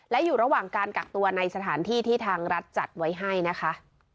และอยู่ระหว่างการกักตัวในสถานที่ที่ทางรัฐจัดไว้ให้นะคะ